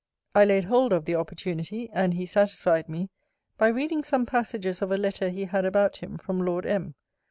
I laid hold of the opportunity, and he satisfied me, by reading some passages of a letter he had about him, from Lord M.